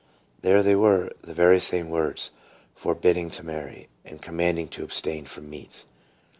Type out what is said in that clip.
There they were, the very same words, "forbidding to marry," and "com manding to abstain from meats."